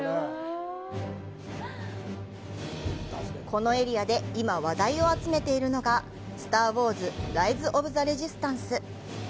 このエリアで今話題を集めているのが、「スター・ウォーズ：ライズ・オブ・ザ・レジスタンス」。